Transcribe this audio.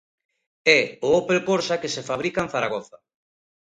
É o Opel Corsa que se fabrica en Zaragoza.